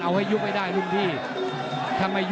มันต้องอย่างงี้มันต้องอย่างงี้